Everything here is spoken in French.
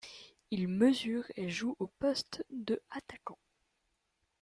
Il mesure et joue au poste de attaquant.